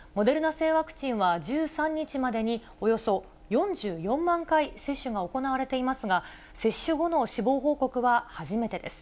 製ワクチンは１３日までに、およそ４４万回接種が行われていますが、接種後の死亡報告は初めてです。